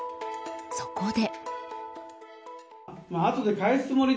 そこで。